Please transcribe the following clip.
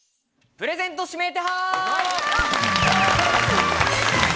プレゼント指名手配！